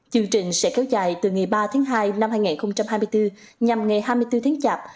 chương trình sẽ kéo dài từ ngày ba tháng hai năm hai nghìn hai mươi bốn nhằm ngày hai mươi bốn tháng chạp